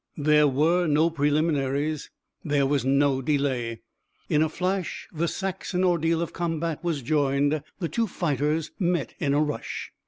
There were no preliminaries, there was no delay. In a flash the Saxon ordeal of combat was joined. The two fighters met in a rush.